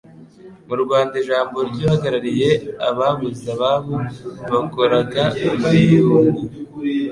mu rwanda ijambo ry uhagarariye ababuze ababo bakoraga muri un